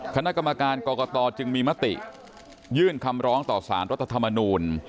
คณะกรรมการกรกตจึงมีมติยื่นคำร้องต่อสารรัฐธรรมนูล